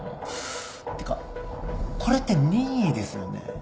てかこれって任意ですよね？